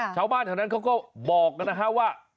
ชาวบ้านเท่านั้นเขาก็บอกนะครับว่า